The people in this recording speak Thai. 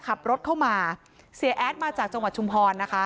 ขับรถเข้ามาเสียแอดมาจากจังหวัดชุมพรนะคะ